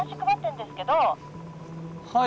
はい。